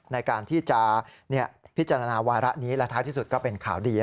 ในการที่จะพิจารณาวาระนี้และท้ายที่สุดก็เป็นข่าวดี